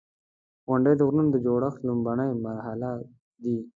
• غونډۍ د غرونو د جوړښت لومړني مراحل دي.